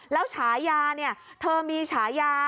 แล้วฉายาเนี่ยเธอมีฉายา